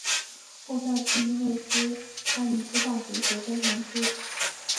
后在布宜诺斯艾利斯大学学工程师。